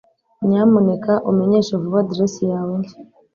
nyamuneka umenyeshe vuba adresse yawe nshya